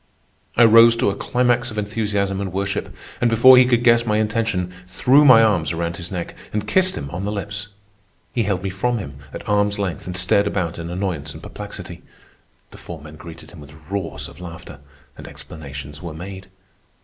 I rose to a climax of enthusiasm and worship, and, before he could guess my intention, threw my arms around his neck and kissed him on the lips. He held me from him at arm's length and stared about in annoyance and perplexity. The four men greeted him with roars of laughter, and explanations were made.